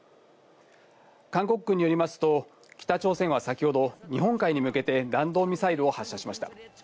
韓国軍によりますと、北朝鮮は先ほど、日本海に向けて弾道ミサイルを発射しました。